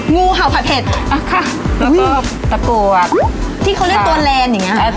งูเห่าผัดเผ็ดอ่ะค่ะแล้วก็ตะกรวดที่เขาเรียกตัวแลนด์อย่างเงี้ย